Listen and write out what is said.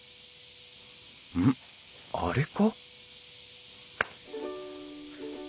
うん？あれか？